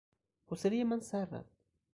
حوصلهی من سررفت.